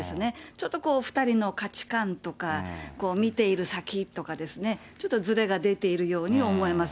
ちょっとこう、２人の価値観とか見ている先とかですね、ちょっとずれが出ているように思えます。